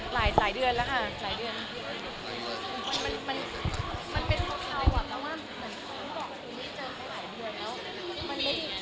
หลายเดือนแล้วค่ะ